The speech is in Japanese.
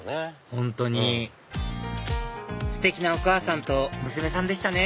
本当にステキなお母さんと娘さんでしたね